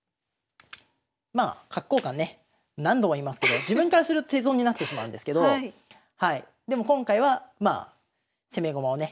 まあ角交換ね何度も言いますけど自分からすると手損になってしまうんですけどでも今回はまあ攻め駒をね